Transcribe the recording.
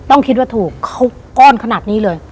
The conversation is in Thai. ต้องคิดว่าถูกเขาก้อนขนาดนี้เลย